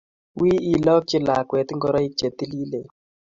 Wi ilokchi lakwet ngoroik che tililen.